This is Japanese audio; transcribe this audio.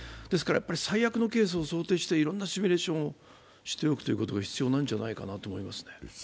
最悪のケースを想定していろんなシミュレーションをしておくのが必要なんじゃないかなと思いますね。